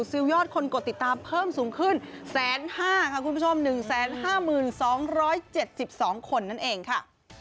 ซิลยอดคนกดติดตามเพิ่มสูงขึ้น๑๕๐๒๗๒คนนั่นเองค่ะ